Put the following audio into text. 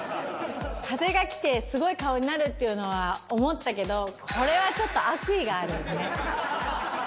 風が来て、すごい顔になるっていうのは思ったけど、これはちょっと悪意があるよね。